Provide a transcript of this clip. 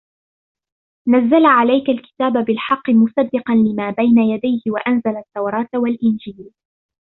نَزَّلَ عَلَيْكَ الْكِتَابَ بِالْحَقِّ مُصَدِّقًا لِمَا بَيْنَ يَدَيْهِ وَأَنْزَلَ التَّوْرَاةَ وَالْإِنْجِيلَ